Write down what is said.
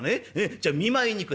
『じゃあ見舞いに行く。